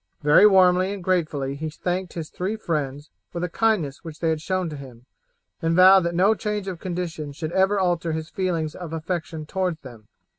Very warmly and gratefully he thanked his three friends for the kindness which they had shown to him, and vowed that no change of condition should ever alter his feelings of affection towards them.